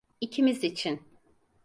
İkimiz için.